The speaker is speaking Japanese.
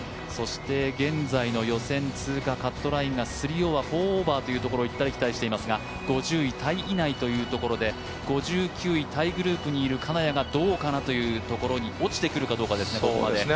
そして現在の予選通過カットラインが３オーバー、４オーバーというところを行ったり来たりしていますが５０位タイ以内ということで、５９位タイグループにいる金谷がどうかなというところに落ちてくるかどうかですね、ここまで。